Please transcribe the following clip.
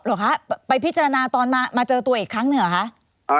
เหรอคะไปพิจารณาตอนมาเจอตัวอีกครั้งหนึ่งเหรอคะ